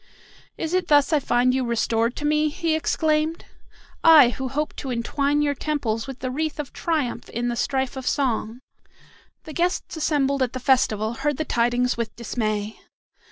"Is it thus I find you restored to me?" he exclaimed. "I who hoped to entwine your temples with the wreath of triumph in the strife of song!" The guests assembled at the festival heard the tidings with dismay.